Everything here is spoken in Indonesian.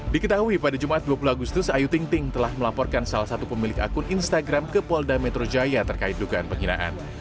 diketahui pada jumat dua puluh agustus ayu ting ting telah melaporkan salah satu pemilik akun instagram ke polda metro jaya terkait dugaan penghinaan